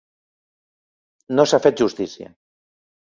No s’ha fet justícia.